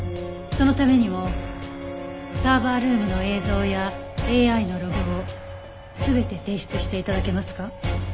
そのためにもサーバールームの映像やＡＩのログを全て提出して頂けますか？